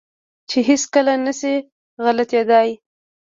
چې هېڅ کله نه شي غلطېداى.